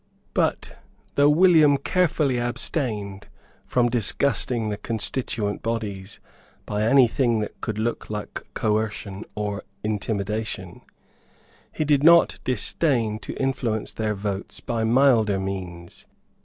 But, though William carefully abstained from disgusting the constituent bodies by any thing that could look like coercion or intimidation, he did not disdain to influence their votes by milder means.